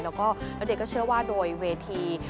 แล้วเดี๋ยวก็เชื่อว่าโดยเวที